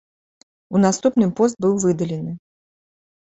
У наступным пост быў выдалены.